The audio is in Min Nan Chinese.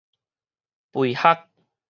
肥礐